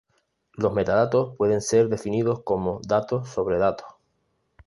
Los metadatos pueden ser definidos como "datos sobre datos".